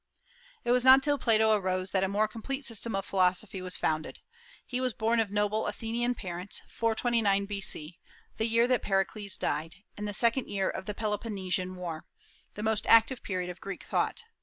It was not till Plato arose that a more complete system of philosophy was founded. He was born of noble Athenian parents, 429 B.C., the year that Pericles died, and the second year of the Peloponnesian War, the most active period of Grecian thought.